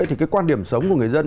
thì cái quan điểm sống của người dân